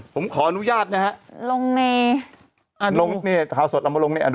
ผมขออนุญาตนะฮะลงไหนลงนี่ผมถามลองมาลงนี่ค่ะลง